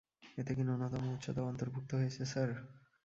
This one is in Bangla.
এতে কি ন্যূনতম উচ্চতাও অন্তর্ভূক্ত রয়েছে, স্যার?